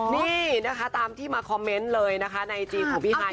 นี่นะคะตามที่มาคอมเมนต์เลยนะคะในไอจีของพี่ฮาย